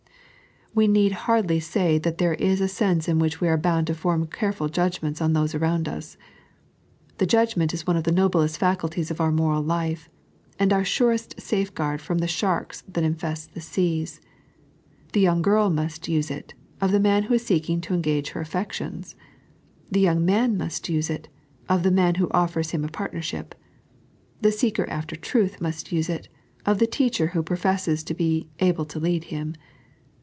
We need hardly say that there is a sense in which we are bound to form careful judgments on those around us. The judgment is one of the noblest facul ties of our moral life, and our surest safeguard from the sharks that infest tiie seas. The young girl must tiae it, of the man who is seeking to engage her affections ; the young man must use it, of the man who o£fers him a partnership ; the seeker after truth must use it, of the teacher who professes to be able to lead him.